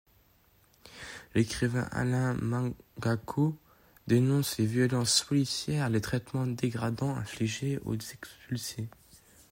L'écrivain Alain Mabanckou dénonce les violences policières et les traitements dégradants infligés aux expulsés.